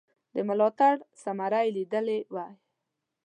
د ملاتړ ثمره یې لیدلې وای.